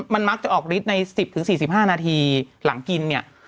มันมักจะออกฤทธิใน๑๐๔๕นาทีหลังกินเนี่ย